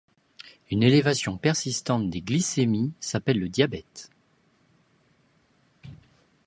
Une élévation persistante des glycémies s'appelle le diabète.